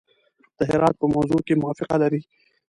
د هرات په موضوع کې موافقه لري.